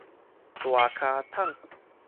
大跤桶